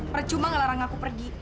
percuma ngelarang aku pergi